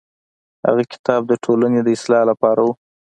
هغه کتاب د ټولنې د اصلاح لپاره و.